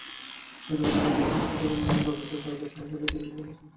Metro rail প্রকল্প কর্তৃপক্ষ বাগানটি বাঁচানোর স্বার্থে বিকল্প কোনো স্থানের কথা ভাবতে পারে।